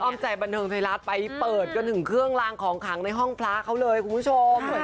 ใจบันเทิงไทยรัฐไปเปิดจนถึงเครื่องลางของขังในห้องพระเขาเลยคุณผู้ชม